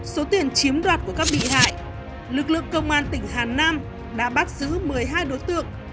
số tiền chiếm đoạt của các bị hại lực lượng công an tỉnh hà nam đã bắt giữ một mươi hai đối tượng